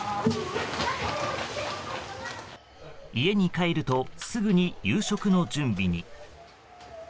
家に帰るとすぐに夕食の準備に。